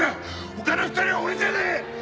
他の２人は俺じゃねえ！